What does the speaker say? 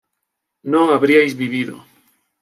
no habríais vivido